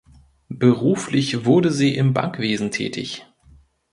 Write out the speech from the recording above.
Beruflich wurde sie im Bankwesen tätig.